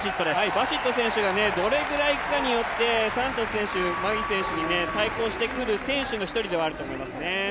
バシット選手がどれくらい行くかによってサントス選手、マギ選手に対抗してくる選手の一人ではあると思いますね。